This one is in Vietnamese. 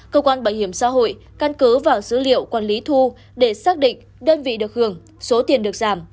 cơ quan bảo hiểm xã hội căn cứ vào dữ liệu quản lý thu để xác định đơn vị được hưởng số tiền được giảm